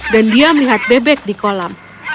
dan dia melihat bebek di kolam